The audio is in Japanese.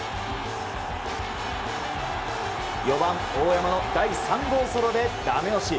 ４番、大山の第３号ソロでダメ押し。